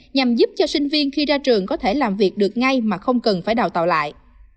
nhằm giúp cho sinh viên khi ra trường có thể làm việc được ngay mà không cần phải đào tạo lại